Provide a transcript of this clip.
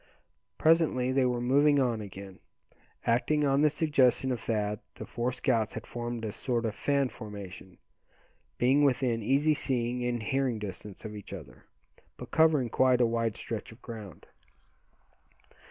Presently they were moving on again. Acting on the suggestion of Thad the four scouts had formed a sort of fan formation, being within easy seeing and hearing distance of each other, but covering quite a wide stretch of ground.